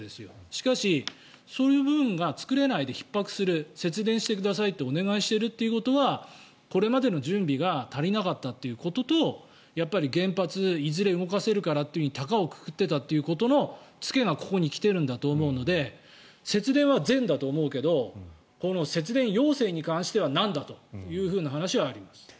しかし、そういう部分が作れないでひっ迫する節電してくださいってお願いしているということはこれまでの準備が足りなかったということと原発がいずれ動かせるからと高をくくっていたということの付けがここに来てるんだと思うので節電は善だと思うけど節電要請に関してはなんだという話はあります。